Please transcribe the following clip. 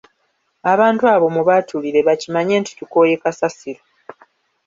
Abantu abo mubaatulire bakimanye nti tukooye kasasiro.